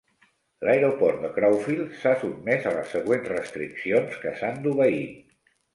L'aeroport de Crowfield s'ha sotmès a les següents restriccions que s'han d'obeir.